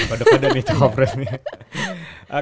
udah pada nih jawabannya